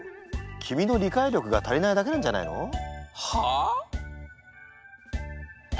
君の理解力が足りないだけなんじゃないの？はあ？